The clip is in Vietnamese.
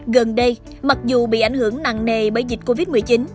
gần đây mặc dù bị ảnh hưởng nặng nề bởi dịch covid một mươi chín